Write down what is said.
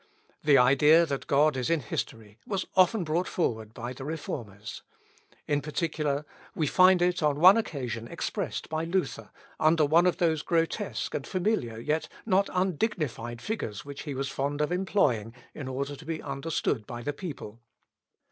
The idea that God is in history was often brought forward by the Reformers. In particular, we find it on one occasion expressed by Luther, under one of those grotesque and familiar, yet not undignified figures which he was fond of employing in order to be understood by the people.